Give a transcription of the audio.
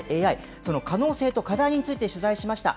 その可能性と課題について取材しました。